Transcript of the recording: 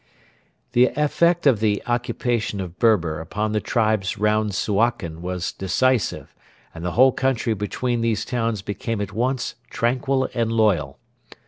The effect of the occupation of Berber upon the tribes around Suakin was decisive, and the whole country between these towns became at once tranquil and loyal.